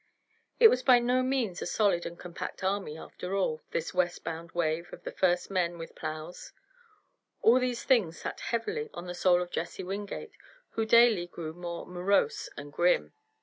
It was by no means a solid and compact army, after all, this west bound wave of the first men with plows. All these things sat heavily on the soul of Jesse Wingate, who daily grew more morose and grim.